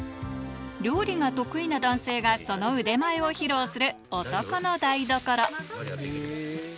料理が得意な男性がその腕前を披露する、おとこの台所。